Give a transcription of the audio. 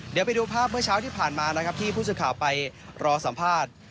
เดี๋ยวไปดูภาพเมื่อเช้าที่ผ่านมานะครับที่ผู้สื่อข่าวไปรอสัมภาษณ์